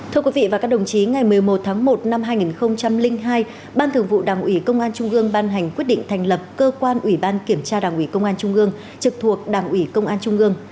thưa quý vị và các đồng chí ngày một mươi một tháng một năm hai nghìn hai ban thường vụ đảng ủy công an trung ương ban hành quyết định thành lập cơ quan ủy ban kiểm tra đảng ủy công an trung ương trực thuộc đảng ủy công an trung ương